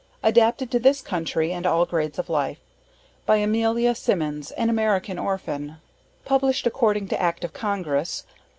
ADAPTED TO THIS COUNTRY, AND ALL GRADES OF LIFE. By Amelia Simmons, AN AMERICAN ORPHAN. PUBLISHED ACCORDING TO ACT OF CONGRESS.